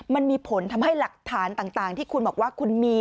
มันมีผลทำให้หลักฐานต่างที่คุณบอกว่าคุณมี